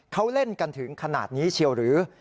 เขาเล่นกันถึงขนาดนี้เชียวหรือ